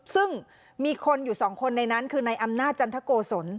ซึ่งมีคนอยู่สองคนในนั้นคือในอำนาจจันทโกศล